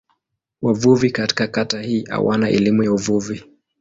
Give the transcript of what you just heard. Wavuvi katika kata hii hawana elimu ya uvuvi.